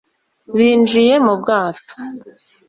binjiye mu bwato